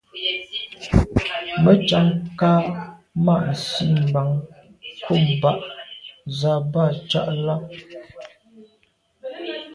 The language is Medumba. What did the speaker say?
Me tshag nka’ ma’ nsi mban kum ba’ z’a ba tsha là.